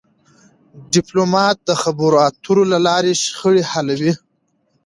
ډيپلومات د خبرو اترو له لارې شخړې حلوي..